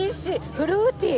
フルーティー！